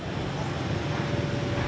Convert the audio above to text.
khối bê tông này được